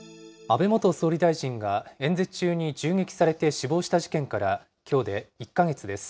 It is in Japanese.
安倍元総理大臣が演説中に銃撃されて死亡した事件から、きょうで１か月です。